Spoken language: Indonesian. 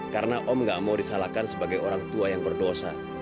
karena om gak mau disalahkan sebagai orang tua yang berdosa